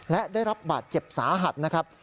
และได้รับบาดเจ็บสาหัสนะครับ